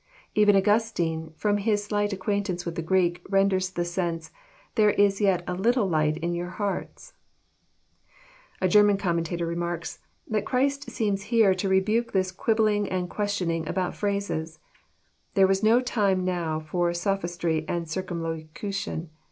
Even Augustine, from his slight acquaintance with Greek, renders the sense, <' There is yet a lUUe light in your Tiearts I A German commentator remarks, that Christ seems here to rebuke this quibbling and questioning abont phrases. '' There was no time now for sophistry and circumlocution.